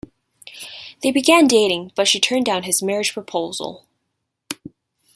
They began dating, but she turned down his marriage proposal.